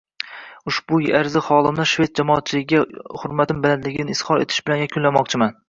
Ushbu arzi holimni shved jamoatchiligiga hurmatim balandligini izhor etish bilan yakunlamoqchiman